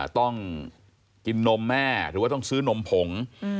ต้องกินนมแม่หรือว่าต้องซื้อนมผง